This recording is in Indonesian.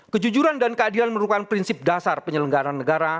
kejujuran dan keadilan merupakan prinsip dasar penyelenggaraan negara